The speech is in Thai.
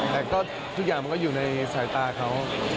แต่ก็ทุกอย่างมันก็อยู่ในสายตาเขา